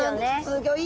すギョい